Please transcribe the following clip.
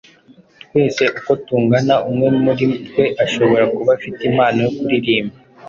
Twese uko tungana umwe muri twe ashobora kuba afite impano yo kuririmba,